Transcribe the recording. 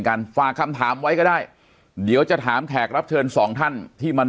ฝากคำถามไว้ก็ได้เดี๋ยวจะถามแขกรับเชิญสองท่านที่มัน